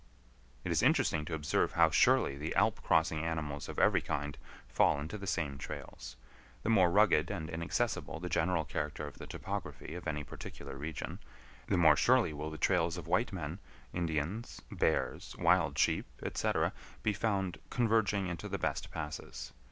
It is interesting to observe how surely the alp crossing animals of every kind fall into the same trails. The more rugged and inaccessible the general character of the topography of any particular region, the more surely will the trails of white men, Indians, bears, wild sheep, etc., be found converging into the best passes.